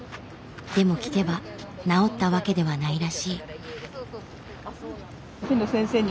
でも聞けば治ったわけではないらしい。